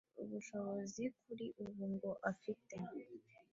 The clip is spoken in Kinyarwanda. ubushobozi, kuri ubu ngo afite